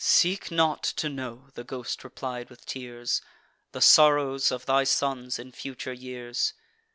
"Seek not to know," the ghost replied with tears, "The sorrows of thy sons in future years.